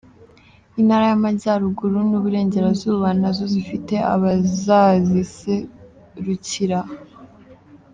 Intara y’Amajyaruguru n’Uburengerazuba na zo zifite abazaziserukira.